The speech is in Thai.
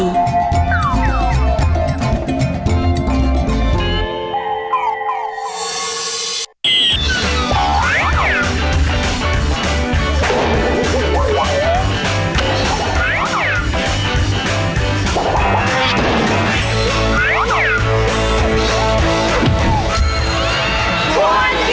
กวนกีฬา